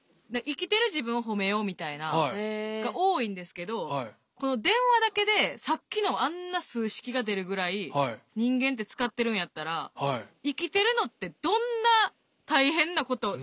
生きてる自分をほめようみたいなのが多いんですけどこの電話だけでさっきのあんな数式が出るぐらい人間って使ってるんやったらと思って。